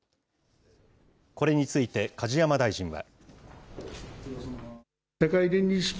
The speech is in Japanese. これについて、梶山大臣は。